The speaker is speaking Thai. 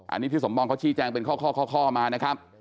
อันนี้พี่สมปองเขาชี้แจงเป็นข้อมานะครับ